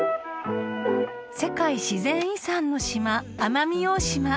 ［世界自然遺産の島奄美大島］